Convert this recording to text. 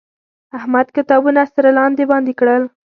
احمد کتابونه سره لاندې باندې کړل.